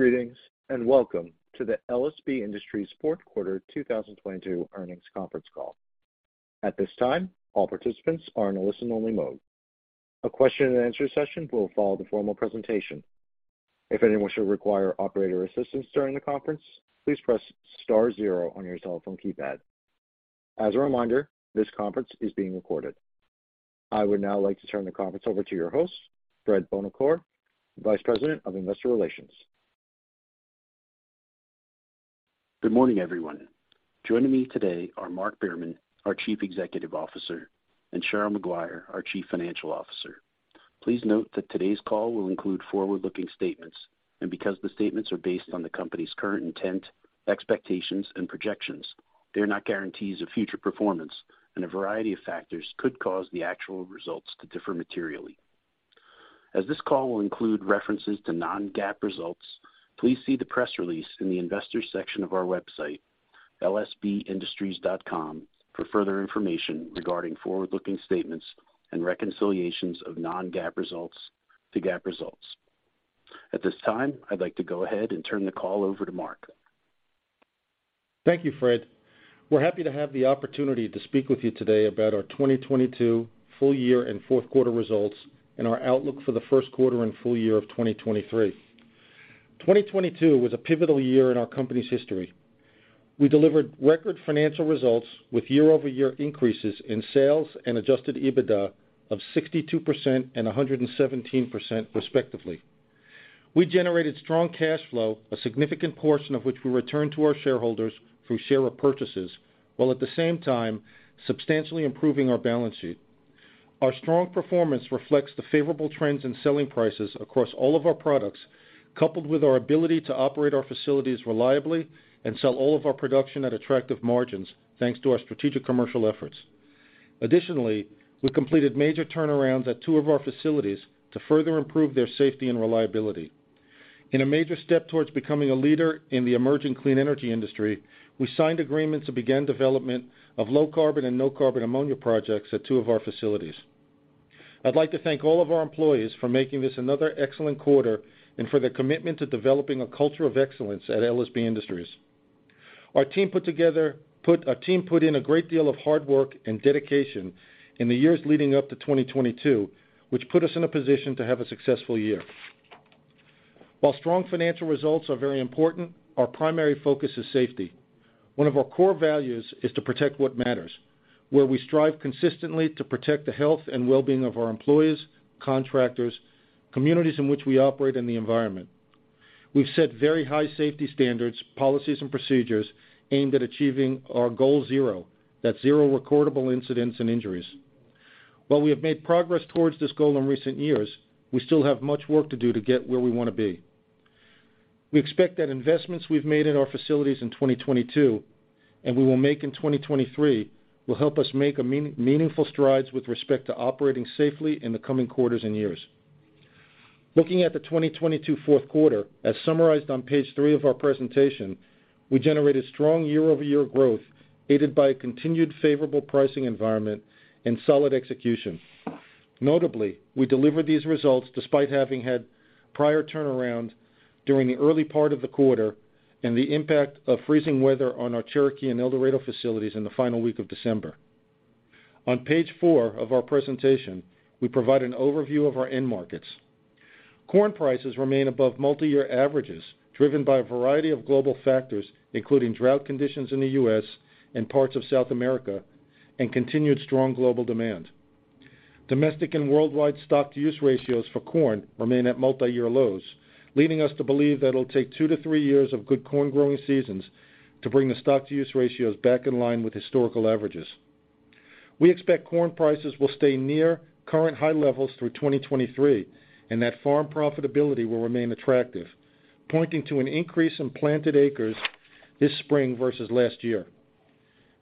Greetings, welcome to the LSB Industries Q4 2022 earnings conference call. At this time, all participants are in a listen-only mode. A question-and-answer session will follow the formal presentation. If anyone should require operator assistance during the conference, please press star zero on your telephone keypad. As a reminder, this conference is being recorded. I would now like to turn the conference over to your host, Fred Buonocore, Vice President of Investor Relations. Good morning, everyone. Joining me today are Mark Behrman, our Chief Executive Officer, and Cheryl Maguire, our Chief Financial Officer. Please note that today's call will include forward-looking statements, and because the statements are based on the company's current intent, expectations, and projections, they are not guarantees of future performance, and a variety of factors could cause the actual results to differ materially. As this call will include references to non-GAAP results, please see the press release in the Investors section of our website, lsbindustries.com, for further information regarding forward-looking statements and reconciliations of non-GAAP results to GAAP results. At this time, I'd like to go ahead and turn the call over to Mark. Thank you, Fred. We're happy to have the opportunity to speak with you today about our 2022 full year and Q4 results and our outlook for the Q1 and full year of 2023. 2022 was a pivotal year in our company's history. We delivered record financial results with year-over-year increases in sales and adjusted EBITDA of 62% and 117% respectively. We generated strong cash flow, a significant portion of which we returned to our shareholders through share purchases, while at the same time substantially improving our balance sheet. Our strong performance reflects the favorable trends in selling prices across all of our products, coupled with our ability to operate our facilities reliably and sell all of our production at attractive margins, thanks to our strategic commercial efforts. Additionally, we completed major turnarounds at two of our facilities to further improve their safety and reliability. In a major step towards becoming a leader in the emerging clean energy industry, we signed agreements to begin development of low-carbon and no-carbon ammonia projects at two of our facilities. I'd like to thank all of our employees for making this another excellent quarter and for their commitment to developing a culture of excellence at LSB Industries. Our team put in a great deal of hard work and dedication in the years leading up to 2022, which put us in a position to have a successful year. While strong financial results are very important, our primary focus is safety. One of our core values is to protect what matters, where we strive consistently to protect the health and well-being of our employees, contractors, communities in which we operate, and the environment. We've set very high safety standards, policies, and procedures aimed at achieving our goal zero. That's zero recordable incidents and injuries. While we have made progress towards this goal in recent years, we still have much work to do to get where we wanna be. We expect that investments we've made in our facilities in 2022, and we will make in 2023, will help us make meaningful strides with respect to operating safely in the coming quarters and years. Looking at the 2022 Q4, as summarized on page 3 of our presentation, we generated strong year-over-year growth, aided by a continued favorable pricing environment and solid execution. Notably, we delivered these results despite having had prior turnaround during the early part of the quarter and the impact of freezing weather on our Cherokee and El Dorado facilities in the final week of December. On page 4 of our presentation, we provide an overview of our end markets. Corn prices remain above multiyear averages, driven by a variety of global factors, including drought conditions in the US and parts of South America and continued strong global demand. Domestic and worldwide stocks-to-use ratios for corn remain at multiyear lows, leading us to believe that it'll take two-three years of good corn-growing seasons to bring the stocks-to-use ratios back in line with historical averages. We expect corn prices will stay near current high levels through 2023 and that farm profitability will remain attractive, pointing to an increase in planted acres this spring versus last year.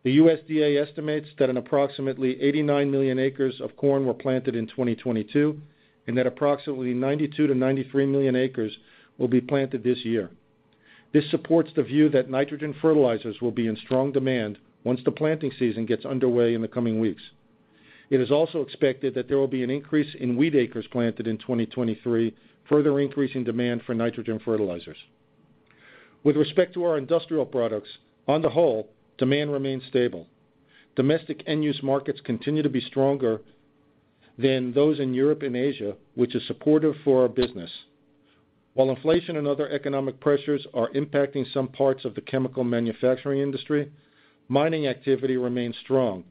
The USDA estimates that approximately 89 million acres of corn were planted in 2022 and that approximately 92-93 million acres will be planted this year. This supports the view that nitrogen fertilizers will be in strong demand once the planting season gets underway in the coming weeks. It is also expected that there will be an increase in wheat acres planted in 2023, further increasing demand for nitrogen fertilizers. With respect to our industrial products, on the whole, demand remains stable. Domestic end-use markets continue to be stronger than those in Europe and Asia, which is supportive for our business. While inflation and other economic pressures are impacting some parts of the chemical manufacturing industry, mining activity remains strong,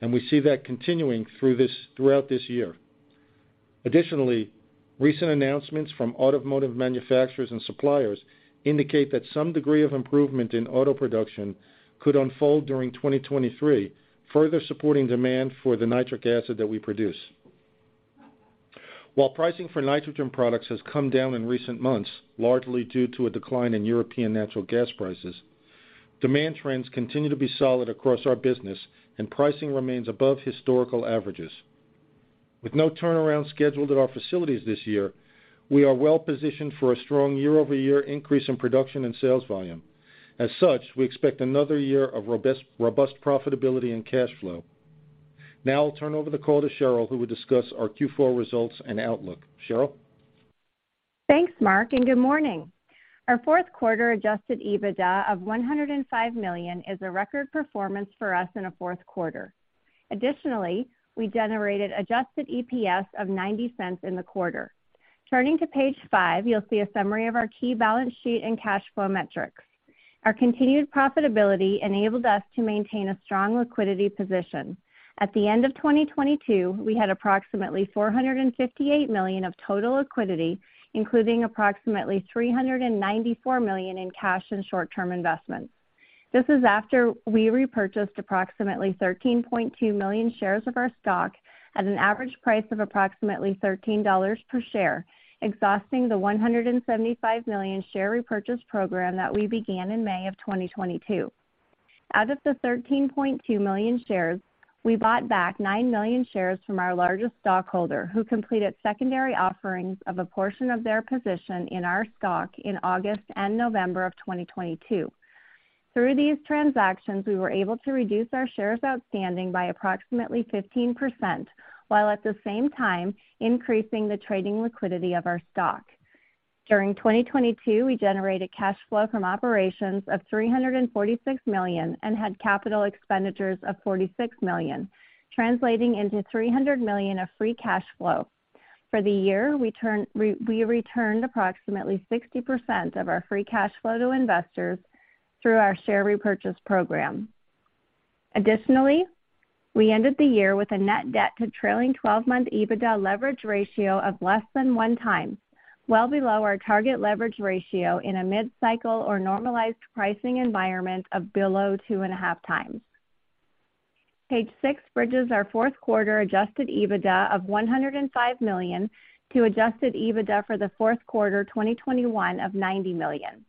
and we see that continuing throughout this year. Additionally, recent announcements from automotive manufacturers and suppliers indicate that some degree of improvement in auto production could unfold during 2023, further supporting demand for the nitric acid that we produce. While pricing for nitrogen products has come down in recent months, largely due to a decline in European natural gas prices, demand trends continue to be solid across our business, and pricing remains above historical averages. With no turnaround scheduled at our facilities this year, we are well-positioned for a strong year-over-year increase in production and sales volume. As such, we expect another year of robust profitability and cash flow. Now I'll turn over the call to Cheryl, who will discuss our Q4 results and outlook. Cheryl? Thanks, Mark. Good morning. Our Q4 adjusted EBITDA of $105 million is a record performance for us in a Q4. Additionally, we generated adjusted EPS of $0.90 in the quarter. Turning to page 5, you'll see a summary of our key balance sheet and cash flow metrics. Our continued profitability enabled us to maintain a strong liquidity position. At the end of 2022, we had approximately $458 million of total liquidity, including approximately $394 million in cash and short-term investments. This is after we repurchased approximately 13.2 million shares of our stock at an average price of approximately $13 per share, exhausting the $175 million share repurchase program that we began in May of 2022. Out of the 13.2 million shares, we bought back 9 million shares from our largest stockholder, who completed secondary offerings of a portion of their position in our stock in August and November of 2022. Through these transactions, we were able to reduce our shares outstanding by approximately 15%, while at the same time increasing the trading liquidity of our stock. During 2022, we generated cash flow from operations of $346 million and had capital expenditures of $46 million, translating into $300 million of free cash flow. For the year, we returned approximately 60% of our free cash flow to investors through our share repurchase program. Additionally, we ended the year with a net debt to trailing 12-month EBITDA leverage ratio of less than 1 times, well below our target leverage ratio in a mid-cycle or normalized pricing environment of below 2.5 times. Page six bridges our Q4 adjusted EBITDA of $105 million to adjusted EBITDA for the Q4 2021 of $90 million.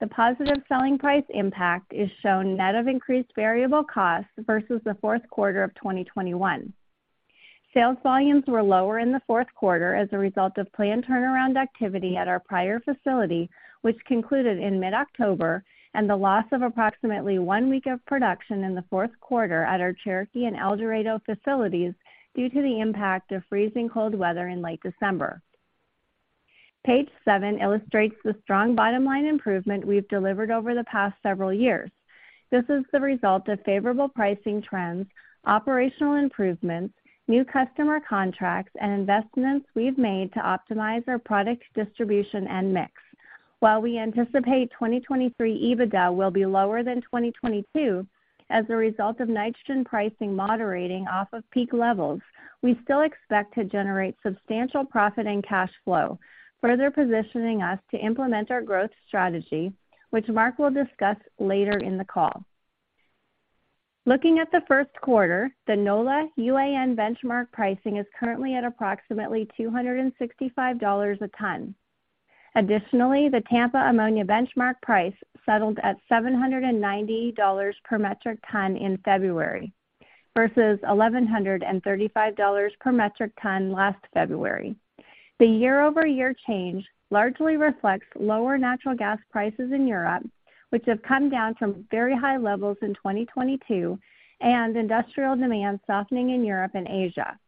The positive selling price impact is shown net of increased variable costs versus the Q4 of 2021. Sales volumes were lower in the Q4 as a result of planned turnaround activity at our Pryor facility, which concluded in mid-October, and the loss of approximately one week of production in the Q4 at our Cherokee and El Dorado facilities due to the impact of freezing cold weather in late December. Page seven illustrates the strong bottom line improvement we've delivered over the past several years. This is the result of favorable pricing trends, operational improvements, new customer contracts, and investments we've made to optimize our product distribution and mix. While we anticipate 2023 EBITDA will be lower than 2022 as a result of nitrogen pricing moderating off of peak levels, we still expect to generate substantial profit and cash flow, further positioning us to implement our growth strategy, which Mark will discuss later in the call. Looking at the Q1, the NOLA UAN benchmark pricing is currently at approximately $265 a ton. Additionally, the Tampa ammonia benchmark price settled at $790 per metric ton in February versus $1,135 per metric ton last February. The year-over-year change largely reflects lower natural gas prices in Europe, which have come down from very high levels in 2022, and industrial demand softening in Europe and Asia.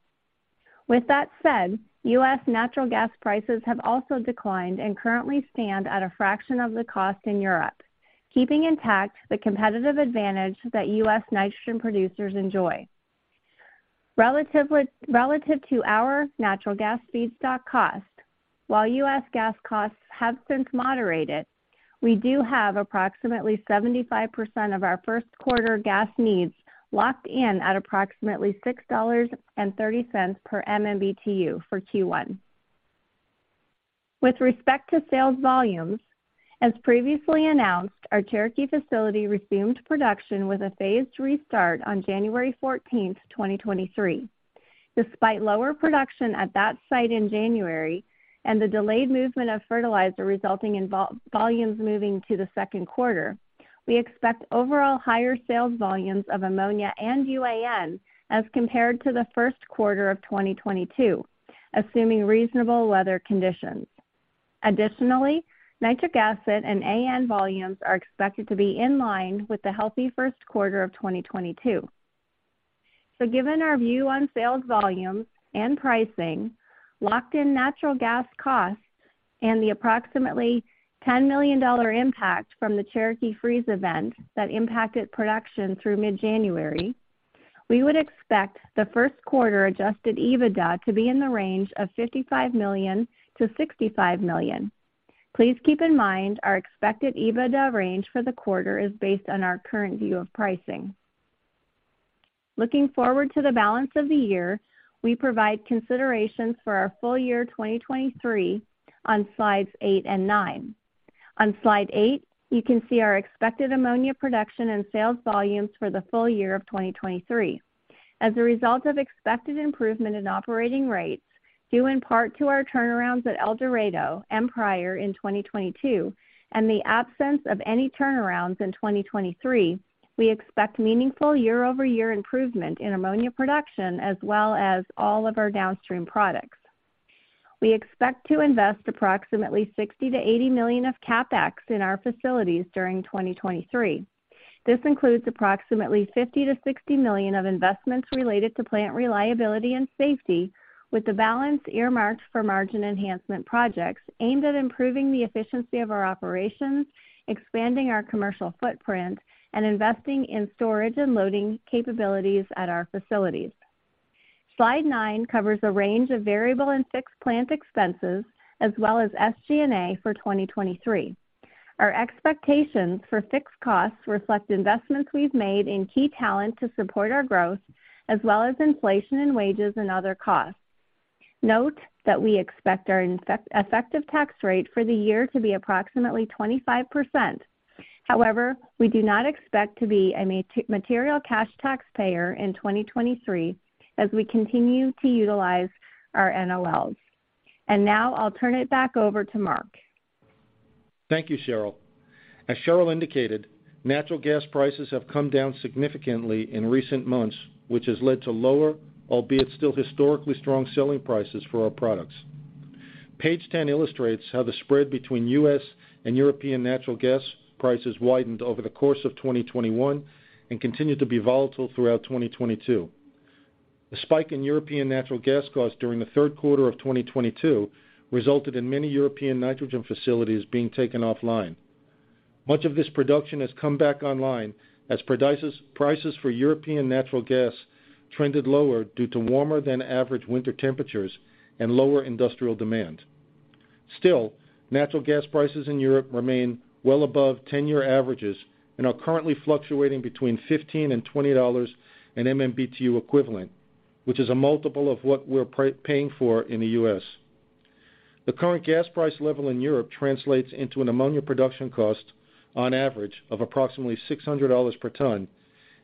With that said, US natural gas prices have also declined and currently stand at a fraction of the cost in Europe, keeping intact the competitive advantage that US nitrogen producers enjoy. Relative to our natural gas feedstock costs, while US gas costs have since moderated, we do have approximately 75% of our Q1 gas needs locked in at approximately $6.30 per MMBTU for Q1. With respect to sales volumes, as previously announced, our Cherokee facility resumed production with a phased restart on January 14th, 2023. Despite lower production at that site in January and the delayed movement of fertilizer resulting in volumes moving to the Q2, we expect overall higher sales volumes of ammonia and UAN as compared to the Q1 of 2022, assuming reasonable weather conditions. Additionally, nitric acid and AN volumes are expected to be in line with the healthy Q1 of 2022. Given our view on sales volumes and pricing, locked-in natural gas costs, and the approximately $10 million impact from the Cherokee freeze event that impacted production through mid-January, we would expect the Q1 adjusted EBITDA to be in the range of $55 million-$65 million. Please keep in mind our expected EBITDA range for the quarter is based on our current view of pricing. Looking forward to the balance of the year, we provide considerations for our full year 2023 on slides 8 and 9. On slide 8, you can see our expected ammonia production and sales volumes for the full year of 2023. As a result of expected improvement in operating rates, due in part to our turnarounds at El Dorado and Pryor in 2022 and the absence of any turnarounds in 2023, we expect meaningful year-over-year improvement in ammonia production as well as all of our downstream products. We expect to invest approximately $60 million-$80 million of CapEx in our facilities during 2023. This includes approximately $50 million-$60 million of investments related to plant reliability and safety, with the balance earmarked for margin enhancement projects aimed at improving the efficiency of our operations, expanding our commercial footprint, and investing in storage and loading capabilities at our facilities. Slide 9 covers a range of variable and fixed plant expenses as well as SG&A for 2023. Our expectations for fixed costs reflect investments we've made in key talent to support our growth, as well as inflation in wages and other costs. Note that we expect our effective tax rate for the year to be approximately 25%. We do not expect to be a material cash taxpayer in 2023 as we continue to utilize our NOLs. Now I'll turn it back over to Mark. Thank you, Cheryl. As Cheryl indicated, natural gas prices have come down significantly in recent months, which has led to lower, albeit still historically strong selling prices for our products. Page 10 illustrates how the spread between US and European natural gas prices widened over the course of 2021 and continued to be volatile throughout 2022. A spike in European natural gas costs during the Q3 of 2022 resulted in many European nitrogen facilities being taken offline. Much of this production has come back online as prices for European natural gas trended lower due to warmer than average winter temperatures and lower industrial demand. Still, natural gas prices in Europe remain well above 10-year averages and are currently fluctuating between $15 and $20 an MMBTU equivalent, which is a multiple of what we're paying for in the US. The current gas price level in Europe translates into an ammonia production cost on average of approximately $600 per ton,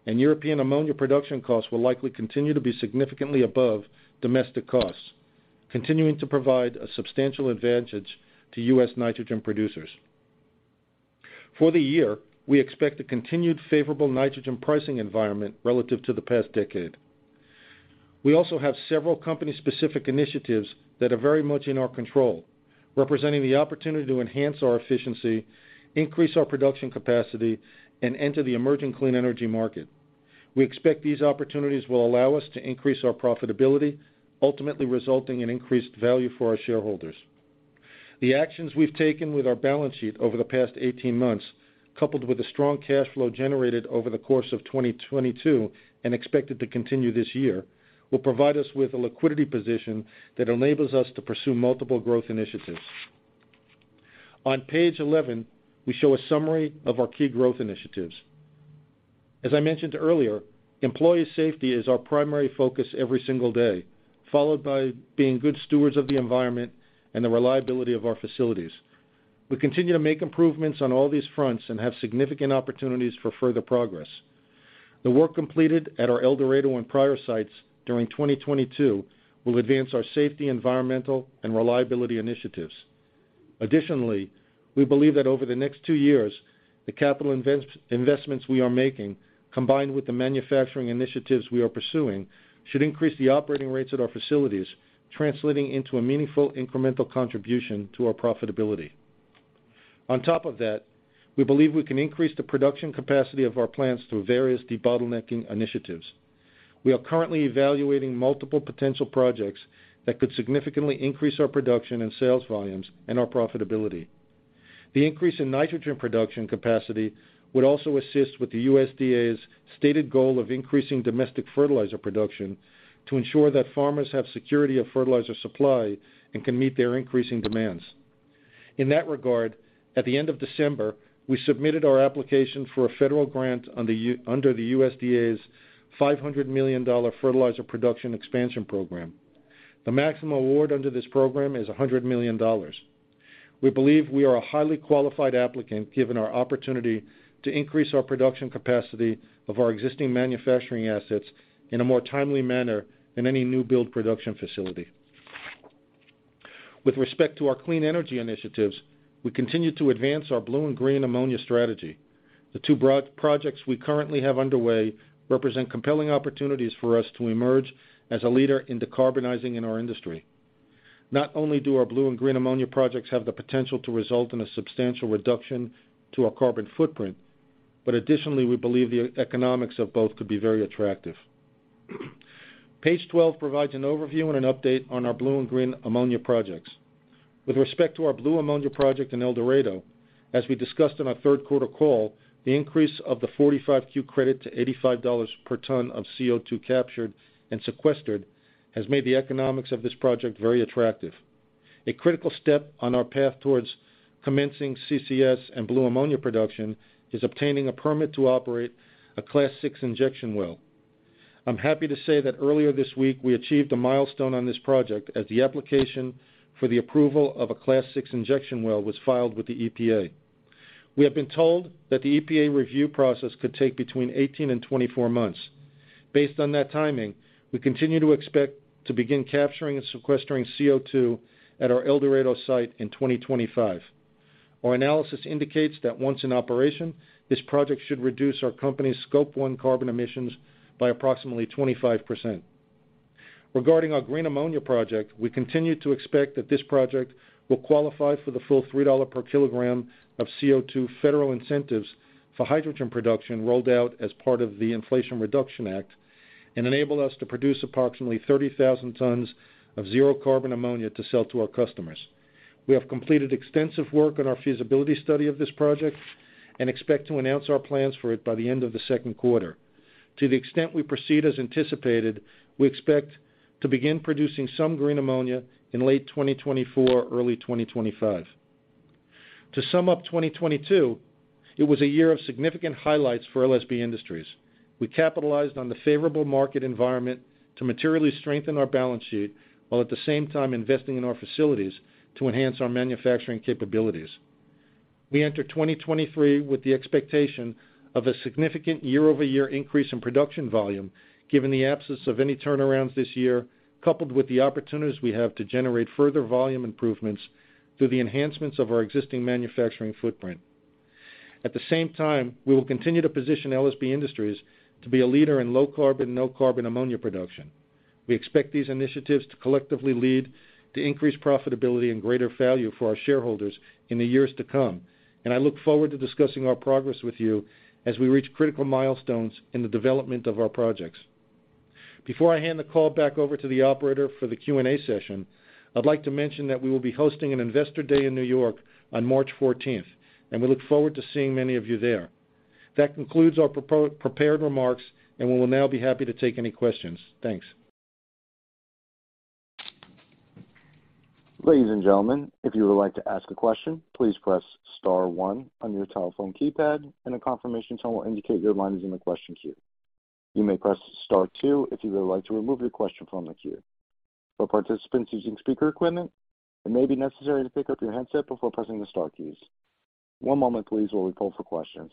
European ammonia production costs will likely continue to be significantly above domestic costs, continuing to provide a substantial advantage to US nitrogen producers. For the year, we expect a continued favorable nitrogen pricing environment relative to the past decade. We also have several company-specific initiatives that are very much in our control, representing the opportunity to enhance our efficiency, increase our production capacity, and enter the emerging clean energy market. We expect these opportunities will allow us to increase our profitability, ultimately resulting in increased value for our shareholders. The actions we've taken with our balance sheet over the past 18 months, coupled with the strong cash flow generated over the course of 2022 and expected to continue this year, will provide us with a liquidity position that enables us to pursue multiple growth initiatives. On page 11, we show a summary of our key growth initiatives. As I mentioned earlier, employee safety is our primary focus every single day, followed by being good stewards of the environment and the reliability of our facilities. We continue to make improvements on all these fronts and have significant opportunities for further progress. The work completed at our El Dorado and Pryor sites during 2022 will advance our safety, environmental, and reliability initiatives. Additionally, we believe that over the next two years, the capital investments we are making, combined with the manufacturing initiatives we are pursuing, should increase the operating rates at our facilities, translating into a meaningful incremental contribution to our profitability. On top of that, we believe we can increase the production capacity of our plants through various debottlenecking initiatives. We are currently evaluating multiple potential projects that could significantly increase our production and sales volumes and our profitability. The increase in nitrogen production capacity would also assist with the USDA's stated goal of increasing domestic fertilizer production to ensure that farmers have security of fertilizer supply and can meet their increasing demands. In that regard, at the end of December, we submitted our application for a federal grant under the USDA's $500 million Fertilizer Production Expansion Program. The maximum award under this program is $100 million. We believe we are a highly qualified applicant, given our opportunity to increase our production capacity of our existing manufacturing assets in a more timely manner than any new build production facility. With respect to our clean energy initiatives, we continue to advance our blue and green ammonia strategy. The two broad projects we currently have underway represent compelling opportunities for us to emerge as a leader in decarbonizing in our industry. Not only do our blue and green ammonia projects have the potential to result in a substantial reduction to our carbon footprint, additionally, we believe the economics of both could be very attractive. Page 12 provides an overview and an update on our blue and green ammonia projects. With respect to our blue ammonia project in El Dorado, as we discussed on our Q3 call, the increase of the 45Q credit to $85 per ton of CO2 captured and sequestered has made the economics of this project very attractive. A critical step on our path towards commencing CCS and blue ammonia production is obtaining a permit to operate a Class VI injection well. I'm happy to say that earlier this week, we achieved a milestone on this project as the application for the approval of a Class VI injection well was filed with the EPA. We have been told that the EPA review process could take between 18 and 24 months. Based on that timing, we continue to expect to begin capturing and sequestering CO2 at our El Dorado site in 2025. Our analysis indicates that once in operation, this project should reduce our company's Scope one carbon emissions by approximately 25%. Regarding our green ammonia project, we continue to expect that this project will qualify for the full $3 per kilogram of CO2 federal incentives for hydrogen production rolled out as part of the Inflation Reduction Act, and enable us to produce approximately 30,000 tons of zero-carbon ammonia to sell to our customers. We have completed extensive work on our feasibility study of this project and expect to announce our plans for it by the end of the second quarter. To the extent we proceed as anticipated, we expect to begin producing some green ammonia in late 2024, early 2025. To sum up 2022, it was a year of significant highlights for LSB Industries. We capitalized on the favorable market environment to materially strengthen our balance sheet, while at the same time investing in our facilities to enhance our manufacturing capabilities. We enter 2023 with the expectation of a significant year-over-year increase in production volume given the absence of any turnarounds this year, coupled with the opportunities we have to generate further volume improvements through the enhancements of our existing manufacturing footprint. At the same time, we will continue to position LSB Industries to be a leader in low carbon, no carbon ammonia production. We expect these initiatives to collectively lead to increased profitability and greater value for our shareholders in the years to come. I look forward to discussing our progress with you as we reach critical milestones in the development of our projects. Before I hand the call back over to the operator for the Q&A session, I'd like to mention that we will be hosting an investor day in New York on March 14th, and we look forward to seeing many of you there. That concludes our prepared remarks, and we will now be happy to take any questions. Thanks. Ladies and gentlemen, if you would like to ask a question, please press star one on your telephone keypad and a confirmation tone will indicate your line is in the question queue. You may press star two if you would like to remove your question from the queue. For participants using speaker equipment, it may be necessary to pick up your handset before pressing the star keys. One moment please, while we poll for questions.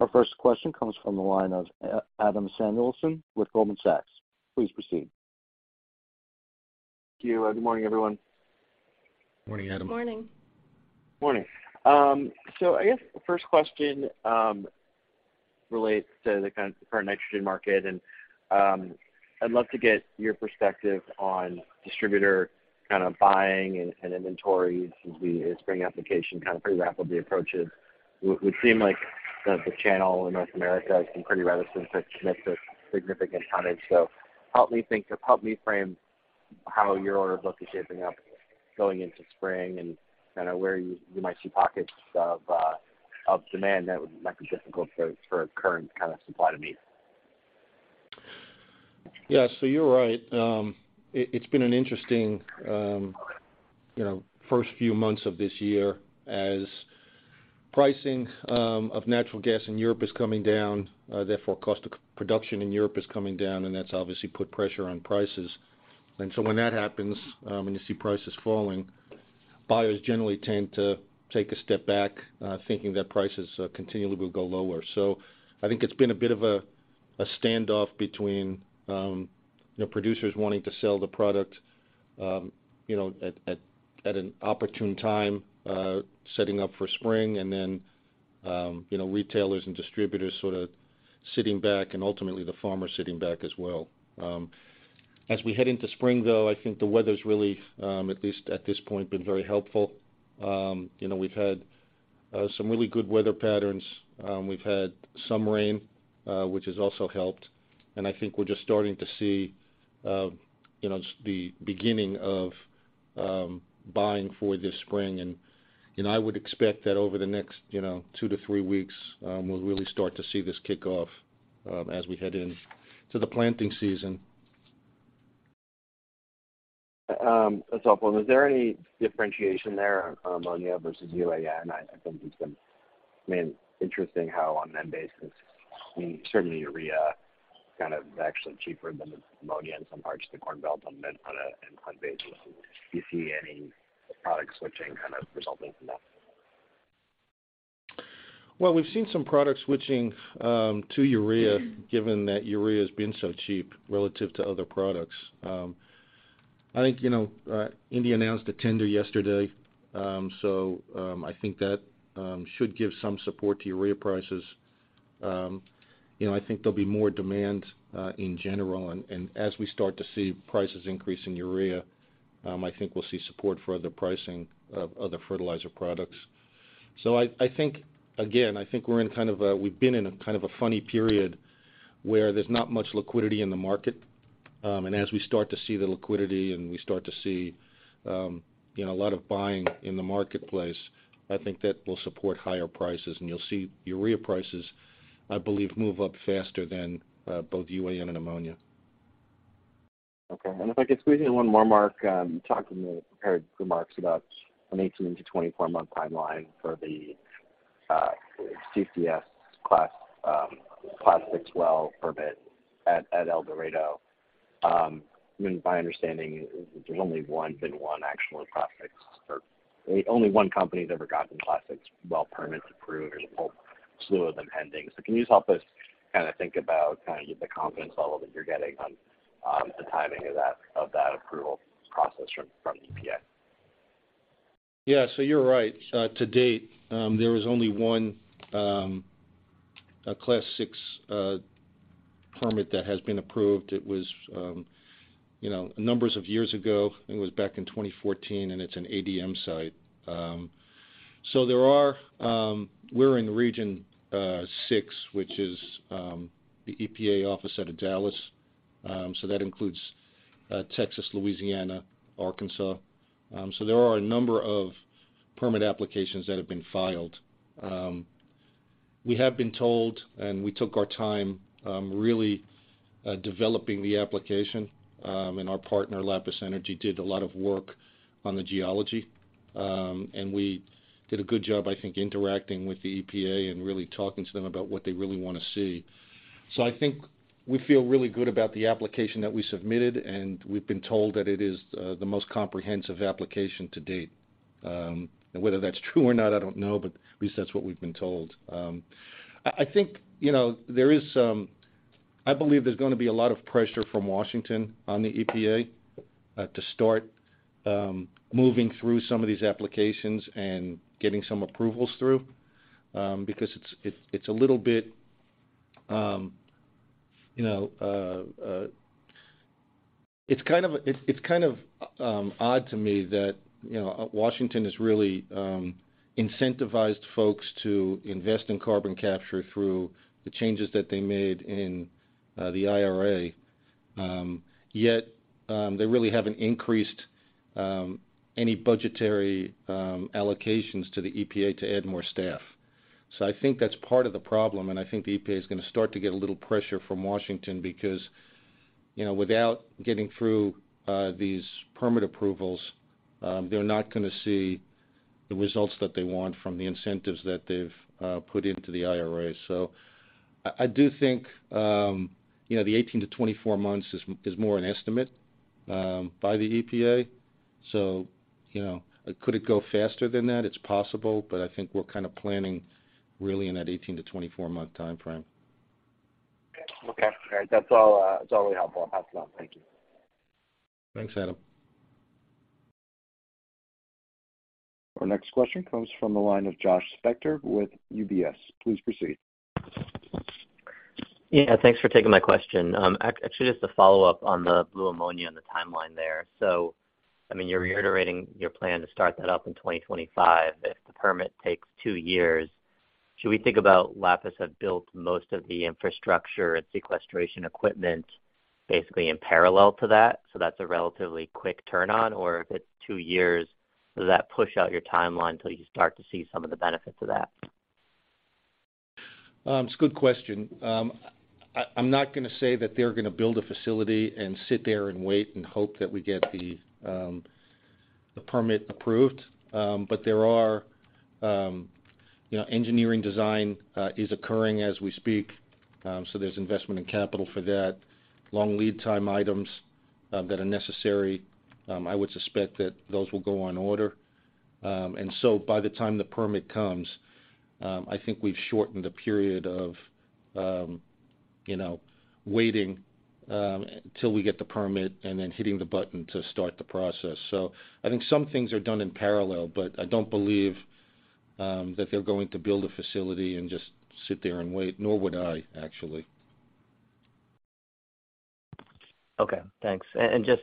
Our first question comes from the line of Adam Samuelson with Goldman Sachs. Please proceed. Thank you. Good morning, everyone. Morning, Adam. Morning. Morning. I guess the first question relates to the kind of current nitrogen market. I'd love to get your perspective on distributor kind of buying and inventory since the spring application kind of pretty rapidly approaches. What would seem like the channel in North America has been pretty reticent to commit to significant tonnage. Help me think or help me frame how your order book is shaping up going into spring and kind of where you might see pockets of demand that might be difficult for current kind of supply to meet? Yeah. You're right. It's been an interesting, you know, first few months of this year as pricing of natural gas in Europe is coming down, therefore cost of production in Europe is coming down, and that's obviously put pressure on prices. When that happens, and you see prices falling, buyers generally tend to take a step back, thinking that prices continually will go lower. I think it's been a bit of a standoff between, you know, producers wanting to sell the product, you know, at an opportune time, setting up for spring, and then, you know, retailers and distributors sort of sitting back and ultimately the farmer sitting back as well. As we head into spring, though, I think the weather's really, at least at this point, been very helpful. You know, we've had some really good weather patterns. We've had some rain, which has also helped. I think we're just starting to see, you know, the beginning of buying for this spring. You know, I would expect that over the next, you know, two to three weeks, we'll really start to see this kick off as we head into the planting season. That's helpful. Is there any differentiation there on ammonia versus UAN? I think it's been interesting how on an end basis, certainly urea kind of is actually cheaper than the ammonia in some parts of the Corn Belt on an end on end basis. Do you see any product switching kind of resulting from that? We've seen some product switching to urea, given that urea has been so cheap relative to other products. I think, you know, India announced a tender yesterday. I think that should give some support to urea prices. You know, I think there'll be more demand in general. As we start to see prices increase in urea, I think we'll see support for other pricing of other fertilizer products. I think, again, we've been in a kind of a funny period where there's not much liquidity in the market. As we start to see the liquidity and we start to see, you know, a lot of buying in the marketplace, I think that will support higher prices. You'll see urea prices, I believe, move up faster than both UAN and ammonia. Okay. If I could squeeze in one more, Mark. You talked in the prepared remarks about an 18-24 month timeline for the CCS Class VI well permit at El Dorado. I mean, my understanding is there's only 1 been 1 actual Class VI or only 1 company that's ever gotten Class VI well permits approved. There's a whole. Slew of them pending. Can you just help us kind of think about kind of the confidence level that you're getting on the timing of that approval process from EPA? Yeah. You're right. To date, there was only one Class VI permit that has been approved. It was, you know, numbers of years ago, it was back in 2014, and it's an ADM site. There are... We're in Region 6, which is the EPA office out of Dallas. That includes Texas, Louisiana, Arkansas. There are a number of permit applications that have been filed. We have been told, and we took our time, really developing the application, and our partner, Lapis Energy, did a lot of work on the geology. We did a good job, I think, interacting with the EPA and really talking to them about what they really wanna see. I think we feel really good about the application that we submitted, and we've been told that it is the most comprehensive application to date. Whether that's true or not, I don't know, but at least that's what we've been told. I think, you know, I believe there's gonna be a lot of pressure from Washington on the EPA to start moving through some of these applications and getting some approvals through, because it's a little bit, you know... It's kind of odd to me that, you know, Washington has really incentivized folks to invest in carbon capture through the changes that they made in the IRA, yet they really haven't increased any budgetary allocations to the EPA to add more staff. I think that's part of the problem, and I think the EPA is gonna start to get a little pressure from Washington because, you know, without getting through these permit approvals, they're not gonna see the results that they want from the incentives that they've put into the IRA. I do think, you know, the 18-24 months is more an estimate by the EPA. You know, could it go faster than that? It's possible, but I think we're kind of planning really in that 18-24-month timeframe. Okay. All right. That's all, that's all really helpful. That's enough. Thank you. Thanks, Adam. Our next question comes from the line of Josh Spector with UBS. Please proceed. Yeah. Thanks for taking my question. actually, just a follow-up on the blue ammonia and the timeline there. I mean, you're reiterating your plan to start that up in 2025. If the permit takes two years, should we think about Lapis have built most of the infrastructure and sequestration equipment basically in parallel to that, so that's a relatively quick turn-on? if it's two years, does that push out your timeline till you start to see some of the benefits of that? It's a good question. I'm not gonna say that they're gonna build a facility and sit there and wait and hope that we get the permit approved. There are, you know, engineering design is occurring as we speak, so there's investment in capital for that. Long lead time items that are necessary, I would suspect that those will go on order. By the time the permit comes, I think we've shortened the period of, you know, waiting till we get the permit, and then hitting the button to start the process. I think some things are done in parallel, but I don't believe that they're going to build a facility and just sit there and wait, nor would I actually. Okay. Thanks. Just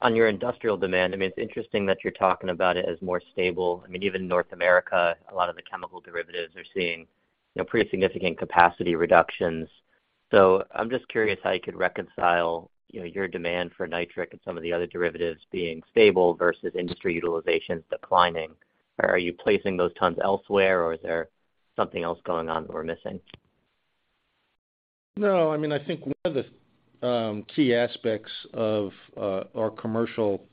on your industrial demand, I mean, it's interesting that you're talking about it as more stable. I mean, even North America, a lot of the chemical derivatives are seeing, you know, pretty significant capacity reductions. I'm just curious how you could reconcile, you know, your demand for nitric and some of the other derivatives being stable versus industry utilization declining. Are you placing those tons elsewhere, or is there something else going on that we're missing? No. I mean, I think one of the key aspects of our commercial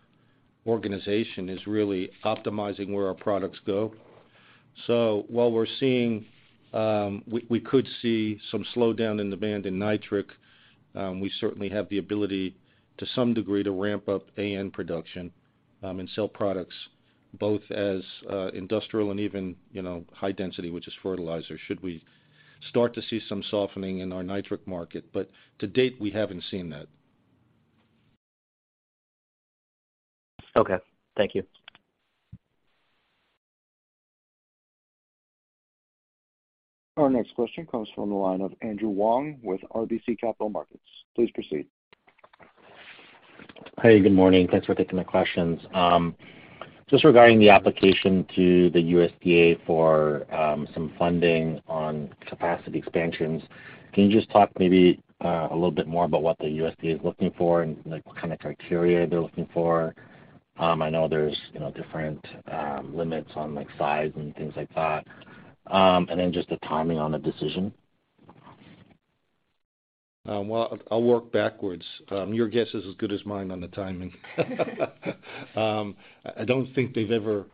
organization is really optimizing where our products go. While we're seeing, we could see some slowdown in demand in nitric, we certainly have the ability to some degree to ramp up AN production and sell products both as industrial and even, you know, high-density, which is fertilizer, should we start to see some softening in our nitric market. To date, we haven't seen that. Okay. Thank you. Our next question comes from the line of Andrew Wong with RBC Capital Markets. Please proceed. Hey, good morning. Thanks for taking my questions. Just regarding the application to the USDA for some funding on capacity expansions, can you just talk maybe a little bit more about what the USDA is looking for and, like, what kind of criteria they're looking for? I know there's, you know, different limits on, like, size and things like that. Just the timing on the decision. Well, I'll work backwards. Your guess is as good as mine on the timing. I don't think they've ever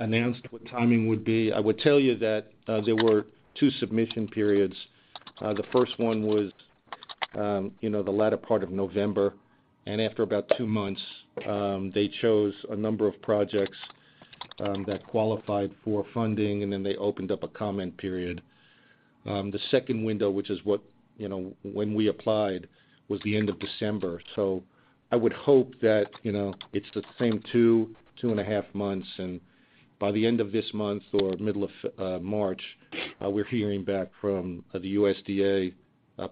announced what timing would be. I would tell you that there were 2 submission periods. The first one, you know, the latter part of November, and after about two months, they chose a number of projects that qualified for funding, and then they opened up a comment period. The second window, which is what, you know, when we applied, was the end of December. I would hope that, you know, it's the same 2 and a half months, and by the end of this month or middle of March, we're hearing back from the USDA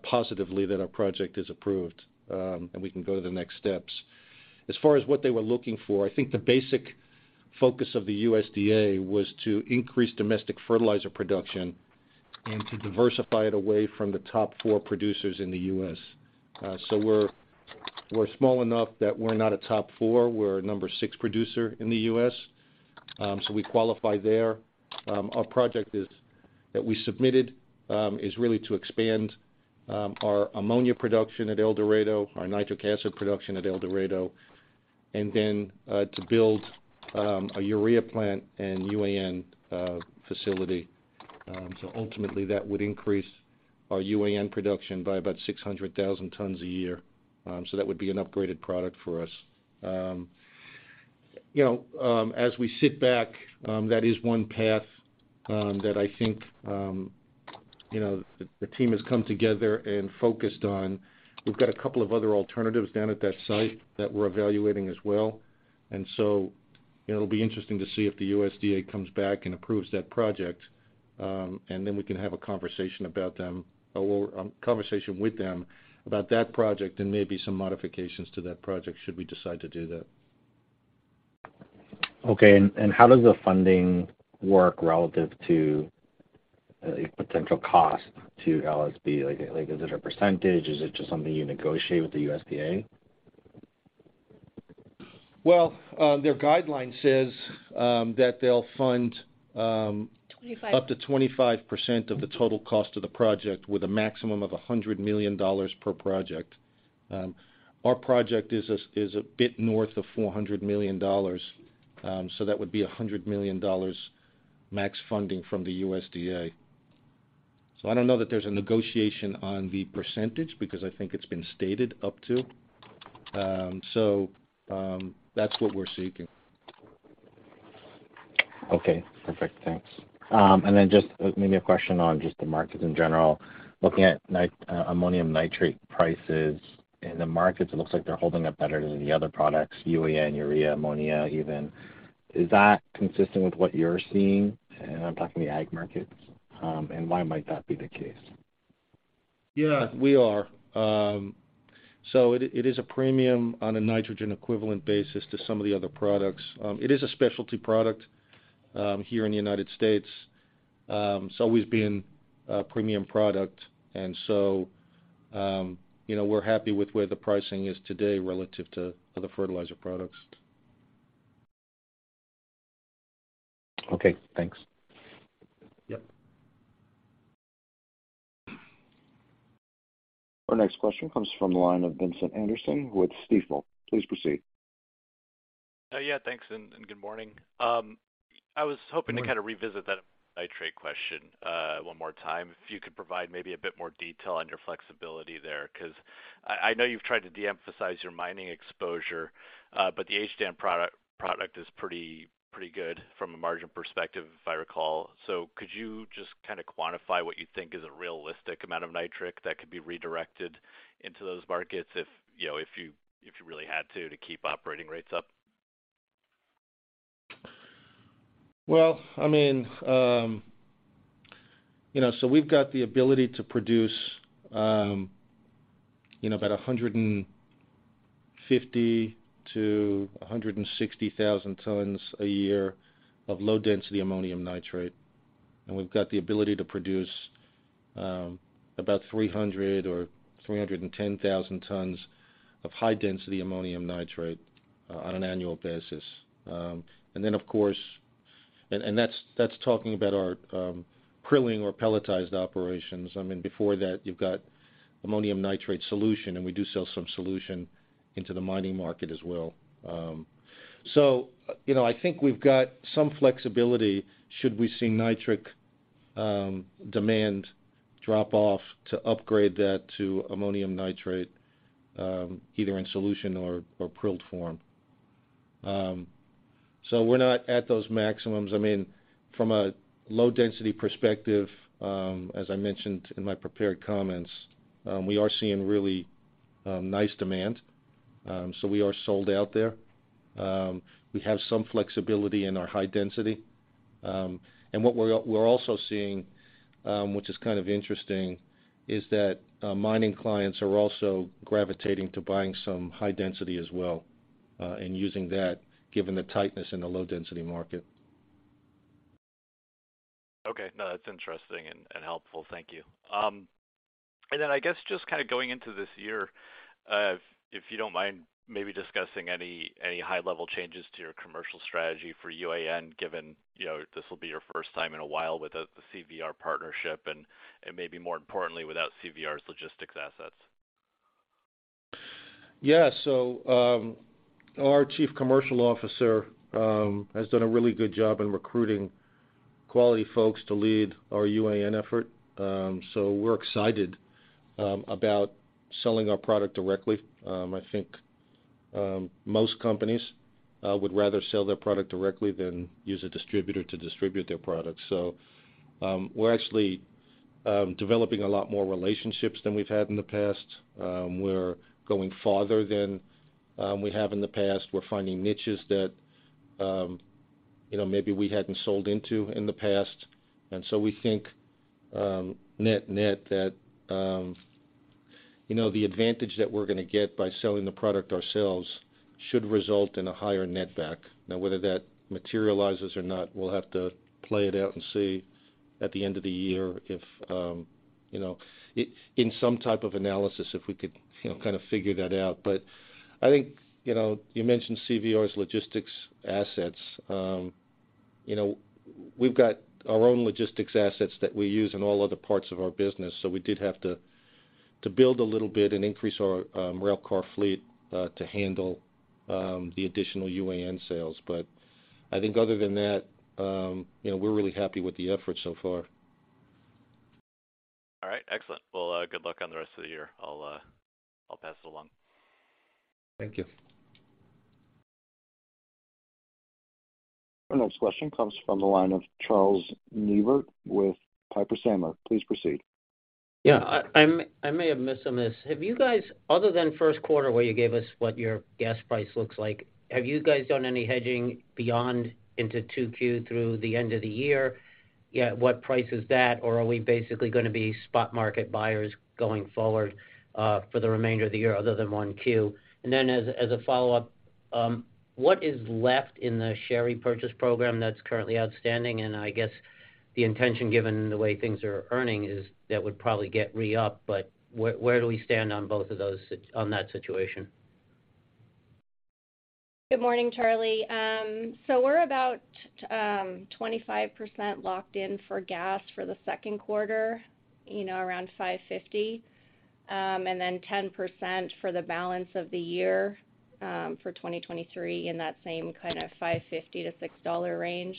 positively that our project is approved, and we can go to the next steps. As far as what they were looking for, I think the basic focus of the USDA was to increase domestic fertilizer production and to diversify it away from the top 4 producers in the US. We're small enough that we're not a top 4. We're a number 6 producer in the US, we qualify there. Our project that we submitted is really to expand our ammonia production at El Dorado, our nitric acid production at El Dorado, and then to build a urea plant and UAN facility. Ultimately that would increase our UAN production by about 600,000 tons a year. That would be an upgraded product for us. You know, as we sit back, that is one path that I think, you know, the team has come together and focused on. We've got a couple of other alternatives down at that site that we're evaluating as well. You know, it'll be interesting to see if the USDA comes back and approves that project, and then we can have a conversation about them or conversation with them about that project and maybe some modifications to that project should we decide to do that. Okay. How does the funding work relative to a potential cost to LSB? Like, is it a percentage? Is it just something you negotiate with the USDA? Their guideline says that they'll fund. Twenty-five ... up to 25% of the total cost of the project with a maximum of $100 million per project. Our project is a bit north of $400 million, so that would be $100 million max funding from the USDA. I don't know that there's a negotiation on the percentage because I think it's been stated up to. That's what we're seeking. Okay. Perfect. Thanks. Then just maybe a question on just the markets in general. Looking at ammonium nitrate prices in the markets, it looks like they're holding up better than the other products, UAN, urea, ammonia even. Is that consistent with what you're seeing? I'm talking the ag markets. Why might that be the case? Yeah, we are. It is a premium on a nitrogen equivalent basis to some of the other products. It is a specialty product here in the United States. It's always been a premium product. You know, we're happy with where the pricing is today relative to other fertilizer products. Okay, thanks. Yep. Our next question comes from the line of Vincent Anderson with Stifel. Please proceed. Yeah, thanks and good morning. I was hoping to kind of revisit that nitrate question one more time. If you could provide maybe a bit more detail on your flexibility there 'cause I know you've tried to de-emphasize your mining exposure, but the HDAN product is pretty good from a margin perspective, if I recall. Could you just kinda quantify what you think is a realistic amount of nitric that could be redirected into those markets if, you know, if you really had to keep operating rates up? Well, I mean, you know, we've got the ability to produce, you know, about 150,000-160,000 tons a year of low-density ammonium nitrate. We've got the ability to produce about 300,000 or 310,000 tons of high-density ammonium nitrate on an annual basis. That's talking about our prilling or pelletized operations. I mean, before that, you've got ammonium nitrate solution, and we do sell some solution into the mining market as well. You know, I think we've got some flexibility should we see nitric demand drop off to upgrade that to ammonium nitrate either in solution or prilled form. We're not at those maximums. I mean, from a low density perspective, as I mentioned in my prepared comments, we are seeing really nice demand. We are sold out there. We have some flexibility in our high density. What we're also seeing, which is kind of interesting, is that mining clients are also gravitating to buying some high density as well, and using that given the tightness in the low density market. Okay. No, that's interesting and helpful. Thank you. I guess just kinda going into this year, if you don't mind maybe discussing any high-level changes to your commercial strategy for UAN, given, you know, this will be your first time in a while without the CVR partnership and maybe more importantly, without CVR's logistics assets. Yeah. Our Chief Commercial Officer has done a really good job in recruiting quality folks to lead our UAN effort. We're excited about selling our product directly. I think most companies would rather sell their product directly than use a distributor to distribute their product. We're actually developing a lot more relationships than we've had in the past. We're going farther than we have in the past. We're finding niches that, you know, maybe we hadn't sold into in the past. We think net net that, you know, the advantage that we're gonna get by selling the product ourselves should result in a higher net back. Now, whether that materializes or not, we'll have to play it out and see at the end of the year if, you know... In some type of analysis if we could, you know, kind of figure that out. I think, you know, you mentioned CVR's logistics assets. You know, we've got our own logistics assets that we use in all other parts of our business. We did have to build a little bit and increase our railcar fleet to handle the additional UAN sales. I think other than that, you know, we're really happy with the efforts so far. All right. Excellent. Well, good luck on the rest of the year. I'll pass it along. Thank you. Our next question comes from the line of Charles Neivert with Piper Sandler. Please proceed. Yeah. I may have missed on this. Have you guys, other than Q1 where you gave us what your gas price looks like, have you guys done any hedging beyond into 2Q through the end of the year? Yeah, what price is that? Or are we basically gonna be spot market buyers going forward, for the remainder of the year other than 1Q? As a follow-up, what is left in the share repurchase program that's currently outstanding? I guess the intention, given the way things are earning, is that would probably get re-up. Where do we stand on both of those on that situation? Good morning, Charlie. we're about 25% locked in for gas for the Q2, you know, around $5.50, and then 10% for the balance of the year, for 2023 in that same kind of $5.50-$6 range.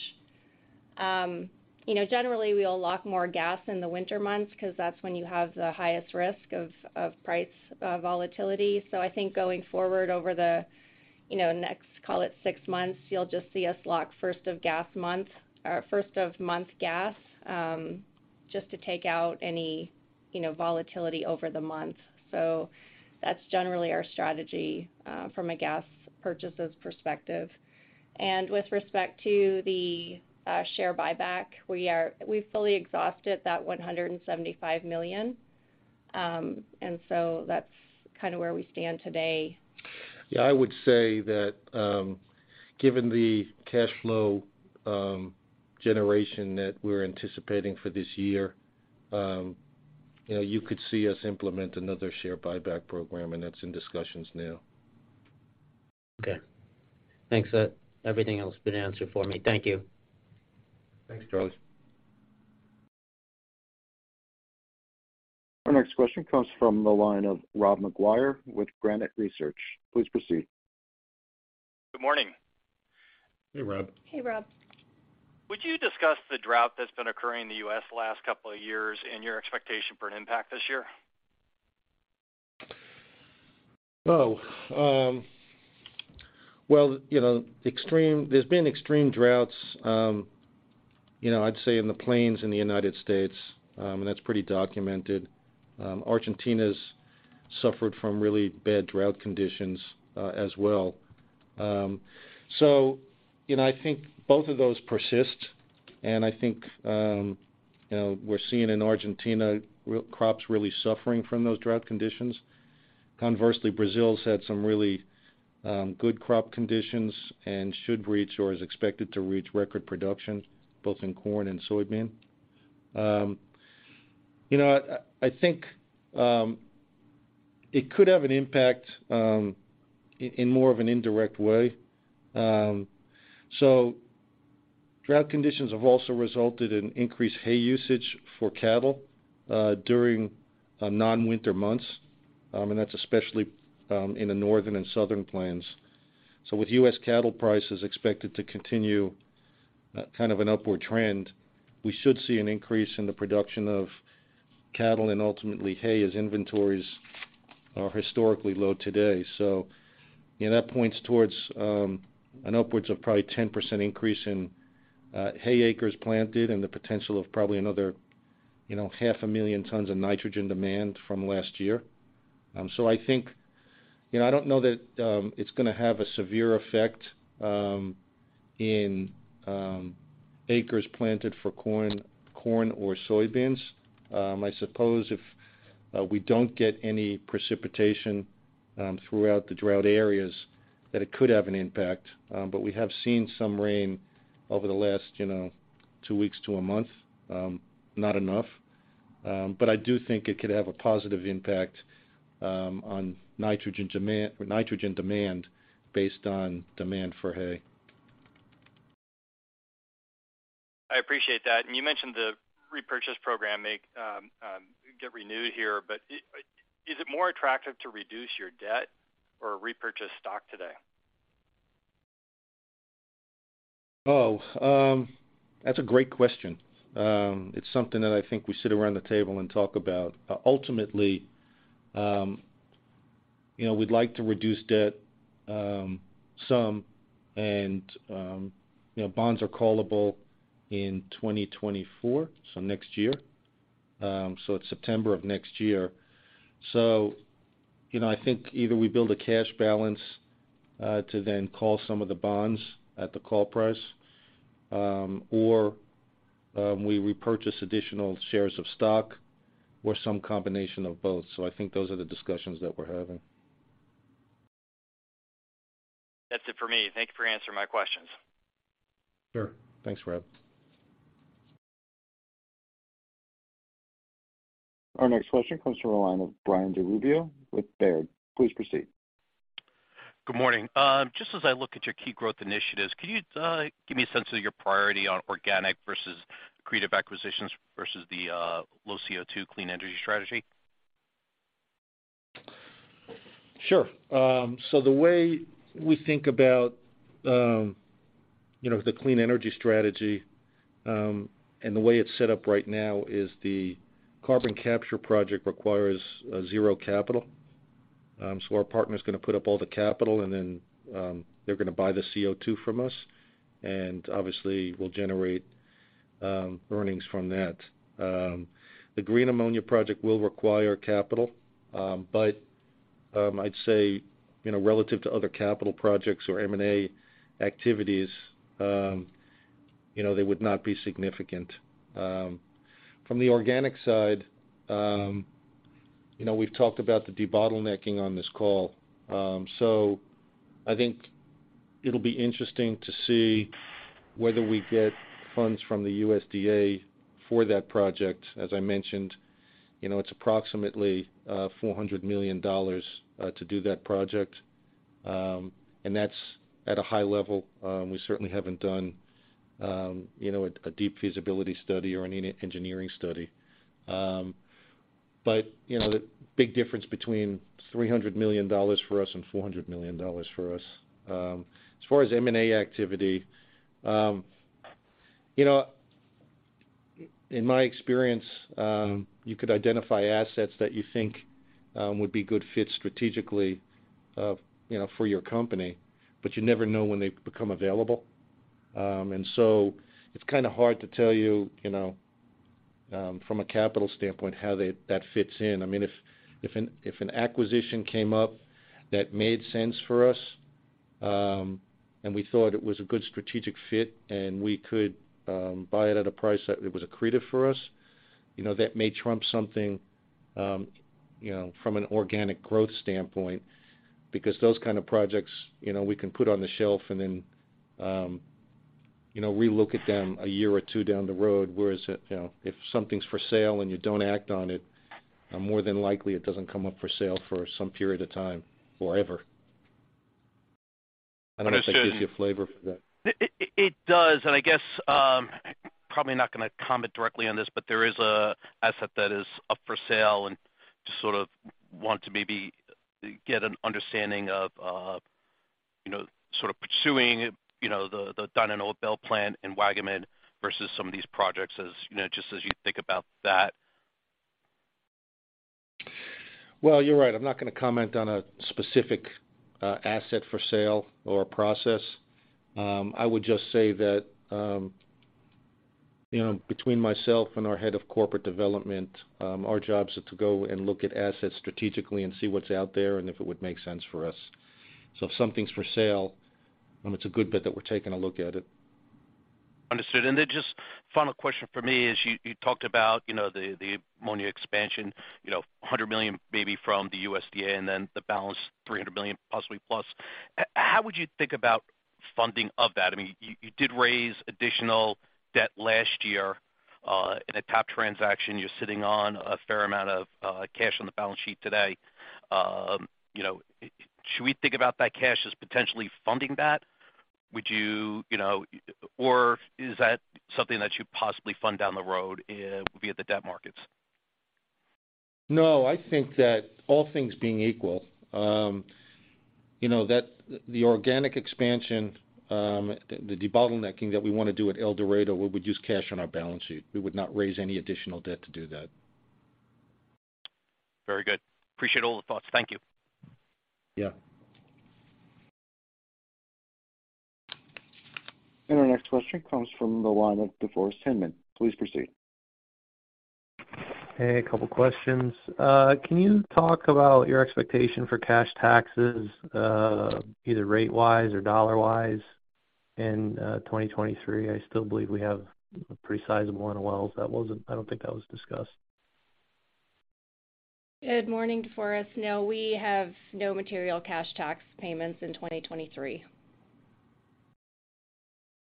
you know, generally, we'll lock more gas in the winter months 'cause that's when you have the highest risk of price volatility. I think going forward over the, you know, next, call it six months, you'll just see us lock first of gas month or first of month gas, just to take out any, you know, volatility over the month. That's generally our strategy from a gas purchases perspective. With respect to the share buyback, we've fully exhausted that $175 million. That's kinda where we stand today. I would say that, given the cash flow generation that we're anticipating for this year, you know, you could see us implement another share buyback program, and that's in discussions now. Okay. Thanks. Everything else has been answered for me. Thank you. Thanks, Charles. Our next question comes from the line of Rob McGuire with Granite Research. Please proceed. Good morning. Hey, Rob. Hey, Rob. Would you discuss the drought that's been occurring in the US the last couple of years and your expectation for an impact this year? Oh. Well, you know, there's been extreme droughts, you know, I'd say in the plains in the United States, and that's pretty documented. Argentina's suffered from really bad drought conditions as well. You know, I think both of those persist, and I think, you know, we're seeing in Argentina crops really suffering from those drought conditions. Conversely, Brazil's had some really good crop conditions and should reach or is expected to reach record production both in corn and soybean. You know, I think it could have an impact in more of an indirect way. Drought conditions have also resulted in increased hay usage for cattle during non-winter months, and that's especially in the northern and southern plains. With US cattle prices expected to continue, kind of an upward trend, we should see an increase in the production of cattle and ultimately hay as inventories are historically low today. You know, that points towards an upwards of probably 10% increase in hay acres planted and the potential of probably another, you know, 500,000 tons of nitrogen demand from last year. I think. You know, I don't know that it's gonna have a severe effect in acres planted for corn or soybeans. I suppose if we don't get any precipitation throughout the drought areas, that it could have an impact. We have seen some rain over the last, you know, two weeks to a month, not enough. I do think it could have a positive impact on nitrogen demand based on demand for hay. I appreciate that. You mentioned the repurchase program may get renewed here. Is it more attractive to reduce your debt or repurchase stock today? That's a great question. It's something that I think we sit around the table and talk about. Ultimately, you know, we'd like to reduce debt some and, you know, bonds are callable in 2024, so next year. It's September of next year. You know, I think either we build a cash balance to then call some of the bonds at the call price or we repurchase additional shares of stock or some combination of both. I think those are the discussions that we're having. That's it for me. Thank you for answering my questions. Sure. Thanks, Rob. Our next question comes from the line of Brian DiRubbio with Baird. Please proceed. Good morning. just as I look at your key growth initiatives, can you give me a sense of your priority on organic versus creative acquisitions versus the low CO2 clean energy strategy? Sure. The way we think about, you know, the clean energy strategy, and the way it's set up right now is the carbon capture project requires 0 capital. Our partner is gonna put up all the capital, and then, they're gonna buy the CO2 from us. Obviously we'll generate earnings from that. The green ammonia project will require capital, but, I'd say, you know, relative to other capital projects or M&A activities, you know, they would not be significant. From the organic side, you know, we've talked about the debottlenecking on this call. I think it'll be interesting to see whether we get funds from the USDA for that project. As I mentioned, you know, it's approximately $400 million to do that project. That's at a high level. We certainly haven't done, you know, a deep feasibility study or any engineering study. You know, the big difference between $300 million for us and $400 million for us. As far as M&A activity, you know, in my experience, you could identify assets that you think would be good fit strategically, you know, for your company, but you never know when they become available. So it's kinda hard to tell you know, from a capital standpoint how that fits in. I mean, if an acquisition came up that made sense for us, we thought it was a good strategic fit and we could buy it at a price that it was accretive for us, you know, that may trump something, you know, from an organic growth standpoint. Those kind of projects, you know, we can put on the shelf and then relook at them a year or two down the road. You know, if something's for sale and you don't act on it, more than likely it doesn't come up for sale for some period of time or ever. I don't know if that gives you a flavor for that. It does. I guess, probably not gonna comment directly on this, but there is a asset that is up for sale and just sort of want to maybe get an understanding of, you know, sort of pursuing, you know, the Dyno Nobel plant in Waggaman versus some of these projects as, you know, just as you think about that. You're right, I'm not gonna comment on a specific asset for sale or process. I would just say that, you know, between myself and our head of corporate development, our jobs are to go and look at assets strategically and see what's out there and if it would make sense for us. If something's for sale, then it's a good bet that we're taking a look at it. Understood. Just final question for me is you talked about, you know, the ammonia expansion, you know, $100 million maybe from the USDA and then the balance $300 million possibly plus. How would you think about funding of that? I mean, you did raise additional debt last year in a top transaction. You're sitting on a fair amount of cash on the balance sheet today. Should we think about that cash as potentially funding that? Is that something that you possibly fund down the road via the debt markets? No, I think that all things being equal, you know, that the organic expansion, the debottlenecking that we wanna do at El Dorado, we would use cash on our balance sheet. We would not raise any additional debt to do that. Very good. Appreciate all the thoughts. Thank you. Yeah. Our next question comes from the line of DeForest Hinman. Please proceed. Hey, a couple questions. Can you talk about your expectation for cash taxes, either rate wise or dollar wise in 2023? I still believe we have a pretty sizable one. Well, I don't think that was discussed. Good morning, DeForest. No, we have no material cash tax payments in 2023.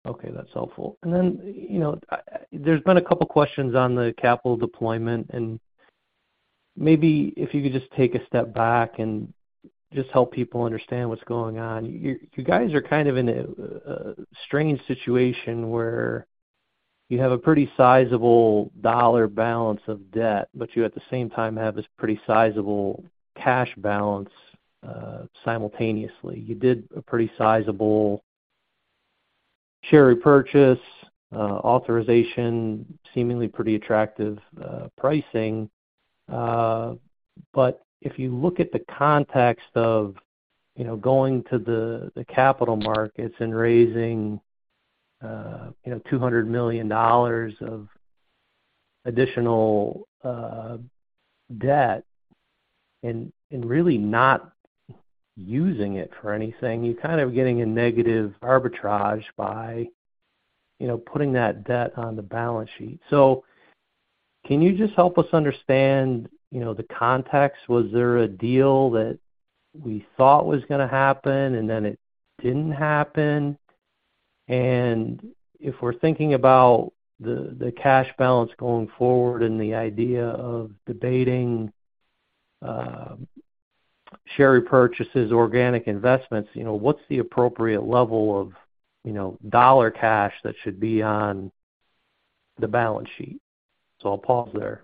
Okay. That's helpful. You know, there's been a couple questions on the capital deployment. Maybe if you could just take a step back and just help people understand what's going on. You guys are kind of in a strange situation where you have a pretty sizable dollar balance of debt, but you at the same time have this pretty sizable cash balance simultaneously. You did a pretty sizable share repurchase authorization, seemingly pretty attractive pricing. If you look at the context of, you know, going to the capital markets and raising, you know, $200 million of additional debt and really not using it for anything, you're kind of getting a negative arbitrage by, you know, putting that debt on the balance sheet. Can you just help us understand, you know, the context? Was there a deal that we thought was gonna happen and then it didn't happen? If we're thinking about the cash balance going forward and the idea of debating, share repurchases, organic investments, you know, what's the appropriate level of, you know, dollar cash that should be on the balance sheet? I'll pause there.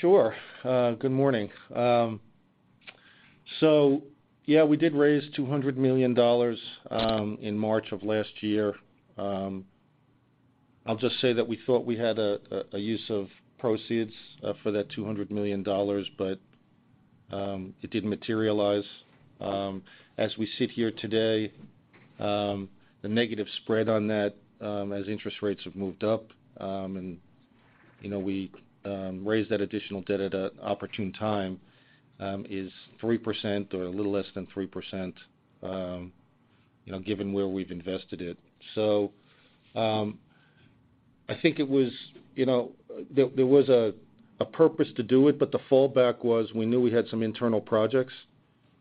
Sure. Good morning. Yeah, we did raise $200 million in March of last year. I'll just say that we thought we had a use of proceeds for that $200 million, it didn't materialize. As we sit here today, the negative spread on that, as interest rates have moved up, and you know, we raised that additional debt at an opportune time, is 3% or a little less than 3%, you know, given where we've invested it. I think it was, you know. There was a purpose to do it, but the fallback was we knew we had some internal projects,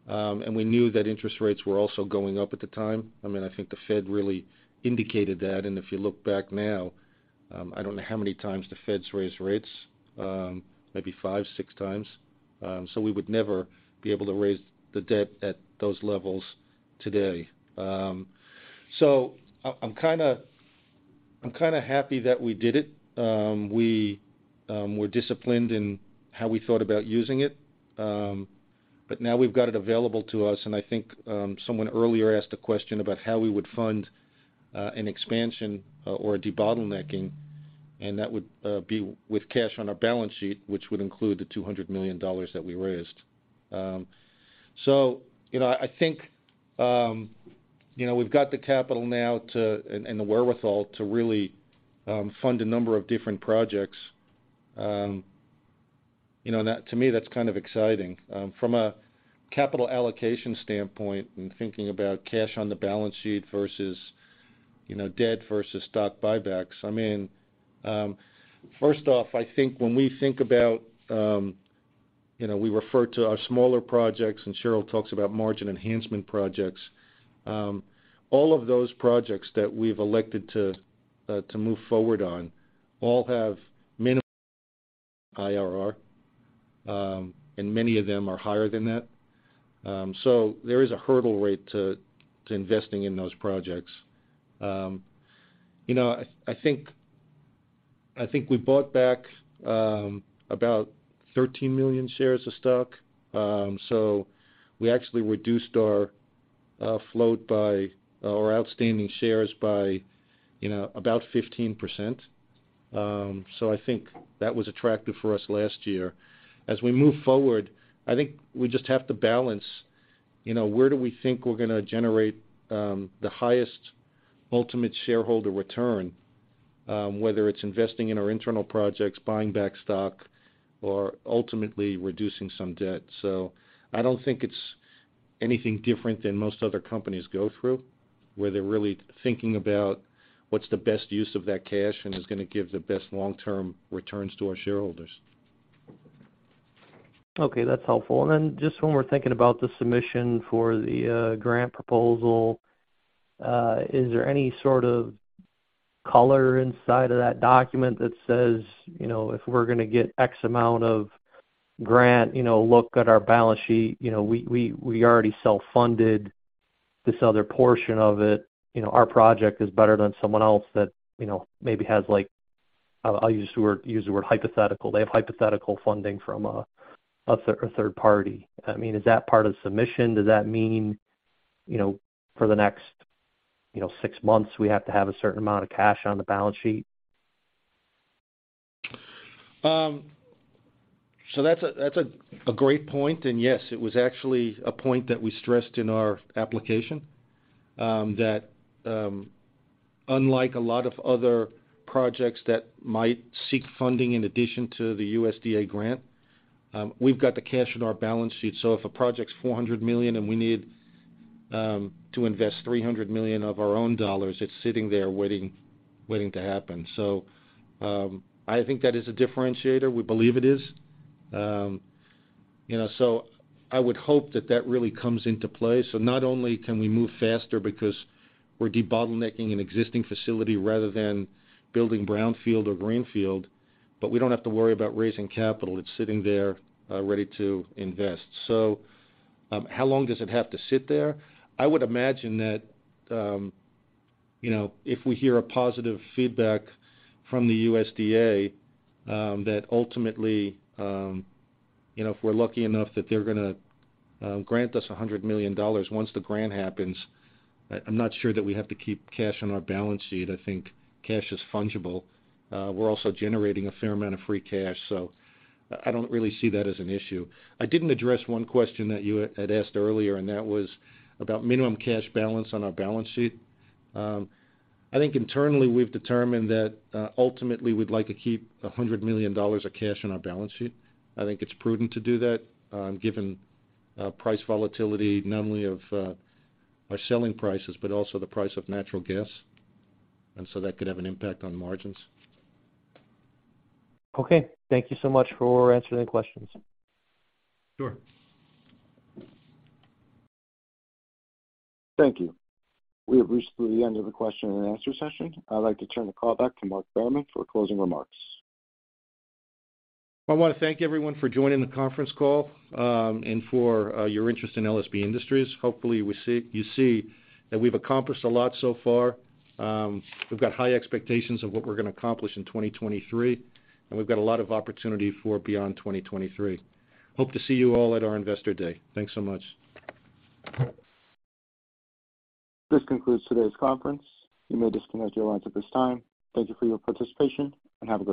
and we knew that interest rates were also going up at the time. I mean, I think the Fed really indicated that. If you look back now, I don't know how many times the Fed's raised rates, maybe 5, 6 times. We would never be able to raise the debt at those levels today. I'm kinda happy that we did it. We were disciplined in how we thought about using it. Now we've got it available to us, and I think someone earlier asked a question about how we would fund an expansion or a debottlenecking, and that would be with cash on our balance sheet, which would include the $200 million that we raised. you know, I think, you know, we've got the capital now to, and the wherewithal to really, fund a number of different projects. you know, that to me, that's kind of exciting. From a capital allocation standpoint and thinking about cash on the balance sheet versus, you know, debt versus stock buybacks, I mean, first off, I think when we think about, you know, we refer to our smaller projects, and Cheryl talks about margin enhancement projects. All of those projects that we've elected to move forward on all have minimum IRR, and many of them are higher than that. There is a hurdle rate to investing in those projects. I think we bought back about 13 million shares of stock. We actually reduced our float by or outstanding shares by, you know, about 15%. I think that was attractive for us last year. As we move forward, I think we just have to balance, you know, where do we think we're gonna generate the highest ultimate shareholder return, whether it's investing in our internal projects, buying back stock, or ultimately reducing some debt. I don't think it's anything different than most other companies go through, where they're really thinking about what's the best use of that cash and is gonna give the best long-term returns to our shareholders. Okay, that's helpful. Just when we're thinking about the submission for the grant proposal, is there any sort of color inside of that document that says, you know, "If we're gonna get X amount of grant, you know, look at our balance sheet, you know, we already self-funded this other portion of it. You know, our project is better than someone else that, you know, maybe has like," I'll use the word hypothetical. "They have hypothetical funding from a third party." I mean, is that part of the submission? Does that mean, you know, for the next, you know, six months, we have to have a certain amount of cash on the balance sheet? That's a great point. Yes, it was actually a point that we stressed in our application that unlike a lot of other projects that might seek funding in addition to the USDA grant, we've got the cash in our balance sheet. If a project's $400 million and we need to invest $300 million of our own dollars, it's sitting there waiting to happen. I think that is a differentiator. We believe it is. You know, I would hope that that really comes into play. Not only can we move faster because we're debottlenecking an existing facility rather than building brownfield or greenfield, but we don't have to worry about raising capital. It's sitting there ready to invest. How long does it have to sit there? I would imagine that, you know, if we hear a positive feedback from the USDA, that ultimately, you know, if we're lucky enough that they're gonna grant us $100 million once the grant happens, I'm not sure that we have to keep cash on our balance sheet. I think cash is fungible. We're also generating a fair amount of free cash, so I don't really see that as an issue. I didn't address 1 question that you had asked earlier, and that was about minimum cash balance on our balance sheet. I think internally we've determined that, ultimately, we'd like to keep $100 million of cash on our balance sheet. I think it's prudent to do that, given price volatility, not only of our selling prices, but also the price of natural gas, and so that could have an impact on margins. Okay. Thank you so much for answering the questions. Sure. Thank you. We have reached the end of the question and answer session. I'd like to turn the call back to Mark Behrman for closing remarks. I wanna thank everyone for joining the conference call, for your interest in LSB Industries. Hopefully you see that we've accomplished a lot so far. We've got high expectations of what we're gonna accomplish in 2023. We've got a lot of opportunity for beyond 2023. Hope to see you all at our Investor Day. Thanks so much. This concludes today's conference. You may disconnect your lines at this time. Thank you for your participation, and have a great day.